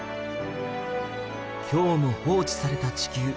今日も放置された地球。